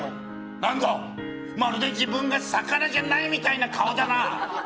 何だ、まるで自分が魚じゃないみたいな顔だな。